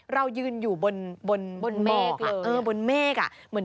เรายืนอยู่บนเมฆอ่ะ